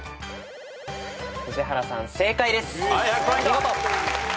宇治原さん正解です。